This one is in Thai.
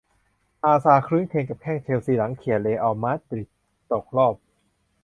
อาซาร์ ครื้นเครงกับแข้ง เชลซี หลังเขี่ย เรอัล มาดริด ตกรอบ